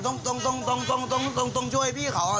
แม่ต้องช่วยพี่เขานะ